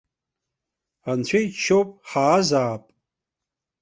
Анцәа иџьшьоуп, ҳаазаап.